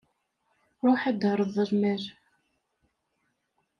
Ruḥ ad d-terreḍ lmal.